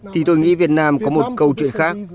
thì tôi nghĩ việt nam có một câu chuyện khác